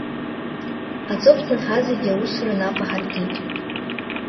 Аҵыхәтәан ҳазегьы аусура нап аҳаркит.